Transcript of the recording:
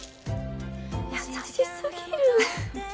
優しすぎる！